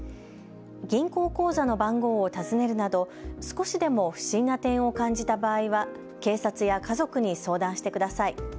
銀行口座の番号を尋ねるなど少しでも不審な点を感じた場合は警察や家族に相談してください。